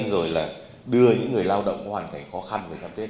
rồi là đưa những người lao động có hoàn cảnh khó khăn vào thăm tết